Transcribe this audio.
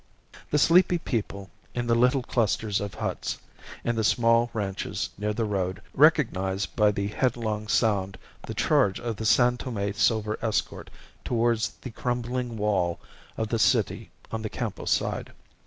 The sleepy people in the little clusters of huts, in the small ranches near the road, recognized by the headlong sound the charge of the San Tome silver escort towards the crumbling wall of the city on the Campo side.